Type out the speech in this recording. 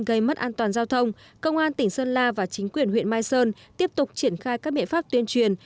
gây mất an toàn giao thông công an tỉnh sơn la và chính quyền huyện mai sơn tiếp tục triển khai các biện pháp tuyên truyền